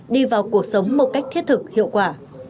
đi vào cuộc sống một cách thiết thực hiệu quả